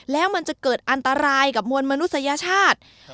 แล้วมันจะเกิดอันตรายกับมวลมนุษยชาติ